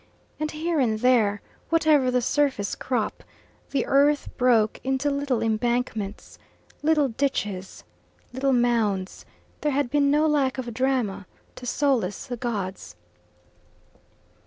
And here and there, whatever the surface crop, the earth broke into little embankments, little ditches, little mounds: there had been no lack of drama to solace the gods.